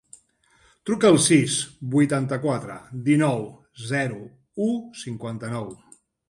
Truca al sis, vuitanta-quatre, dinou, zero, u, cinquanta-nou.